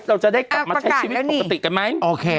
กลับมาใช้ชีวิตปกติกันไหม